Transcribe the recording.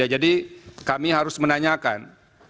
ya jadi kami harus menanyakan